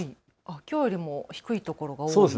きょうよりも低い所が多いですね。